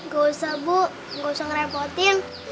gak usah bu nggak usah ngerepotin